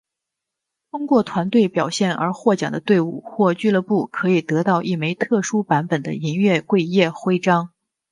通过团队表现而获奖的队伍或俱乐部可以得到一枚特殊版本的银月桂叶徽章。